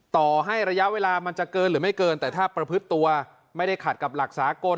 ต่อให้ระยะเวลามันจะเกินหรือไม่เกินแต่ถ้าประพฤติตัวไม่ได้ขัดกับหลักสากล